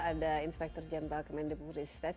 ada inspektur jenderal kementerian budaya dan sistema